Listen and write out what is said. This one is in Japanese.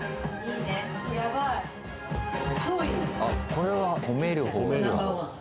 これは褒める方だ。